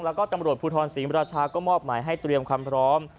แล้วก็ตำรวจภูทรศรีมราชาก็มอบหมายให้เตรียมความพร้อม